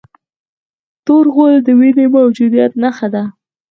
تور غول د وینې د موجودیت نښه ده.